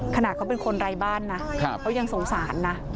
ขนาดเขาเป็นคนไร้บ้านนะเขายังสงสารนะ